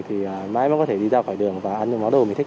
thì mãi nó có thể đi ra khỏi đường và ăn những món đồ mình thích